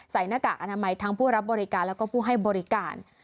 หน้ากากอนามัยทั้งผู้รับบริการแล้วก็ผู้ให้บริการ